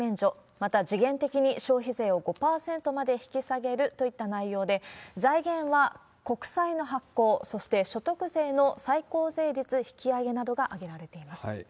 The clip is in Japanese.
また時限的に消費税を５％まで引き下げるといった内容で、財源は国債の発行、そして所得税の最高税率引き上げなどが挙げられています。